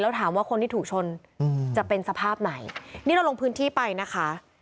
แล้วถามว่าคนที่ถูกชนจะเป็นสภาพไหนนี่เราลงพื้นที่ไปนะคะ